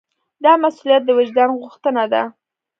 دا مسوولیت د وجدان غوښتنه ده.